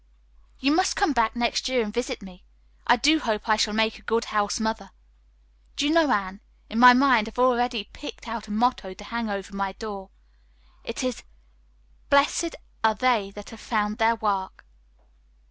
"You must come back next year and visit me. I do hope I shall make a good house mother. Do you know, Anne, in my mind I've already picked out a motto to hang over my door. It is, 'Blessed are they that have found their work.'"